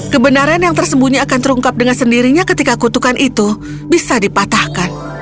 kebenaran yang tersembunyi akan terungkap dengan sendirinya ketika kutukan itu bisa dipatahkan